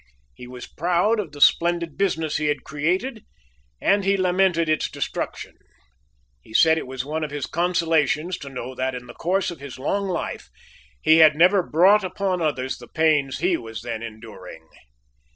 He was proud of the splendid business he had created, and he lamented its destruction. He said it was one of his consolations to know that, in the course of his long life, he had never brought upon others the pains he was then enduring.